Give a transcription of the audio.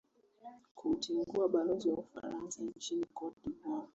kumtegua balozi wa ufaransa nchini cote de voire